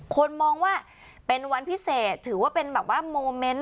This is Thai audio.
คนมองว่าเป็นวันพิเศษถือว่าเป็นแบบว่าโมเมนต์